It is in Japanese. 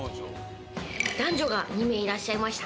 男女が２名いらっしゃいました。